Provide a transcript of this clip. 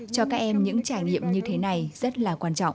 cho các em những trải nghiệm như thế này rất là quan trọng